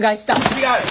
違う！